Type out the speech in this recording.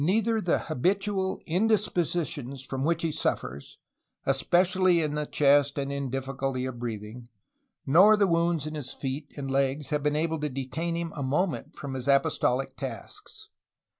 Neither the habitual indispositions from which he suffers, especially in the chest and in difficulty of breathing, nor the wounds in his feet and legs have been able to detain him a moment from his apostolic tasks.